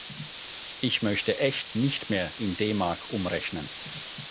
Ich möchte echt nicht mehr in D-Mark umrechnen.